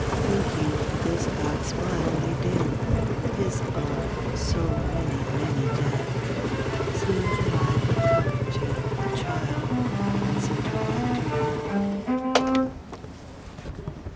Think you for this God's smile may dim {His are so many, many dead) Seeing that I but comforted A child — and sent her back to Him